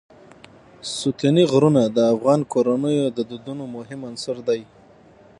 ستوني غرونه د افغان کورنیو د دودونو مهم عنصر دی.